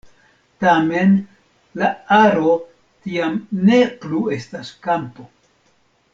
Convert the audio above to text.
Tamen, la aro tiam ne plu estas kampo.